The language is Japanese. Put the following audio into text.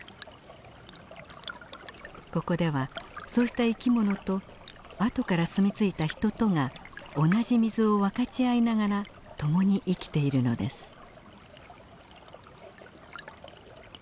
ここではそうした生きものと後から住み着いた人とが同じ水を分かち合いながら共に生きているのです。